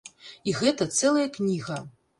І гэта цэлая кніга.